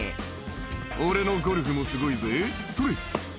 「俺のゴルフもすごいぜそれ！」